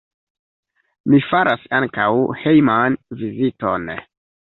Mi faras ankaŭ hejman viziton.